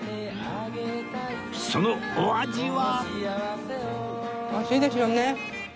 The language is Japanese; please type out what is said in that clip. そのお味は